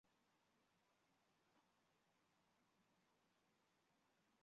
密肋粗饰蚶是魁蛤目魁蛤科粗饰蚶属的一种。